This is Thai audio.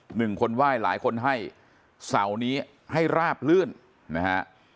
หนึ่งคนไหว้หลายคนให้เสานี้ให้ราบลื่นนะฮะ